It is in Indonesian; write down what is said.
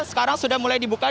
sekarang sudah mulai dibuka